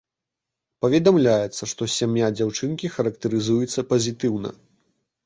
Паведамляецца, што сям'я дзяўчынкі характарызуецца пазітыўна.